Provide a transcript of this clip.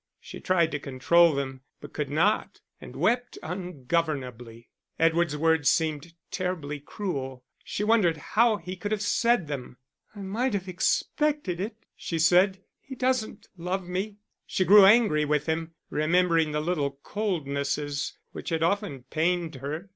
She tried to control them, but could not and wept ungovernably. Edward's words seemed terribly cruel; she wondered how he could have said them. "I might have expected it," she said; "he doesn't love me." She grew angry with him, remembering the little coldnesses which had often pained her.